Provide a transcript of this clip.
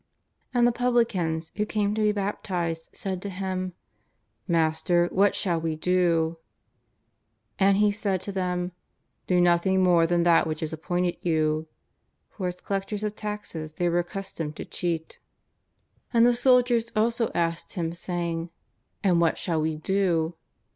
And the pviblicans who came to be baptized said to him :" Master, what shall we do ?" And he said to them :" Do nothing more than that which is appointed you." For as collectors of taxes they were accustomed to cheat. JESTTS OF TTAZARETH, 119 And the soldiers also asked him saying: "And what shall we do